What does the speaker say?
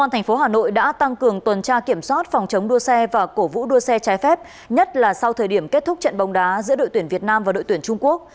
công an thành phố hà nội đã tăng cường tuần tra kiểm soát phòng chống đua xe và cổ vũ đua xe trái phép nhất là sau thời điểm kết thúc trận bóng đá giữa đội tuyển việt nam và đội tuyển trung quốc